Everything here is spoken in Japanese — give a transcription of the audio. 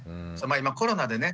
今コロナでね